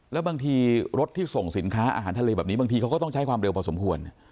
แล้วบางทีรถที่ส่งสินค้าอาหารทะเลแบบนี้บางทีเขาก็ต้องใช้ความเร็วพอสมควร